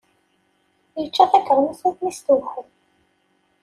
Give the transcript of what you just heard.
Yečča takermust armi s-tewḥel.